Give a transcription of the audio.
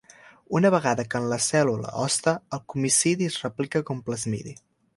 Una vegada que en la cèl·lula hoste, el cosmidi es replica com plasmidi.